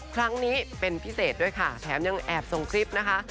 ครั้งนี้เป็นพิเศษด้วยค่ะแถมยังแอบส่งคลิปนะคะ